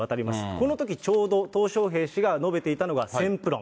このとき、ちょうどトウ小平氏が述べていたのがせんぷ論。